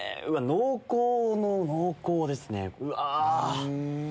濃厚の濃厚ですねうわ！